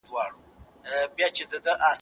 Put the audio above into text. زه هره ورځ لیکل کوم؟